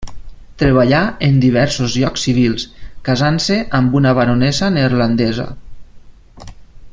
Treballà en diversos llocs civils, casant-se amb una baronessa neerlandesa.